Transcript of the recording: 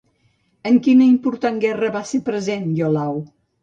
En quina important guerra va ser present Iolau?